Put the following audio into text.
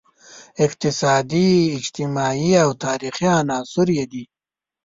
اقتصادي، اجتماعي او تاریخي عناصر یې دي.